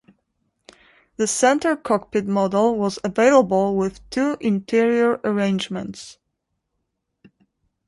The center cockpit model was available with two interior arrangements.